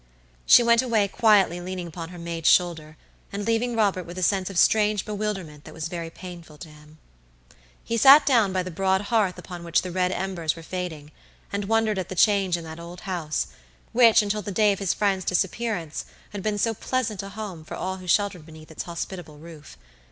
She went away quietly leaning upon her maid's shoulder, and leaving Robert with a sense of strange bewilderment that was very painful to him. He sat down by the broad hearth upon which the red embers were fading, and wondered at the change in that old house which, until the day of his friend's disappearance, had been so pleasant a home for all who sheltered beneath its hospitable roof.